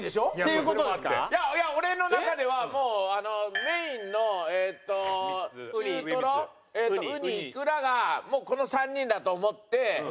いやいや俺の中ではもうメインのえっと中とろウニイクラがもうこの３人だと思って。